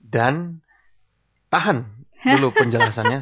dan tahan dulu penjelasannya